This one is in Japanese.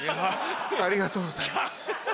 ありがとうございます。